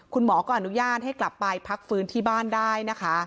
คุณหมอก็อนุญาตให้กลับไปพักฟื้นที่บ้านได้นะคะ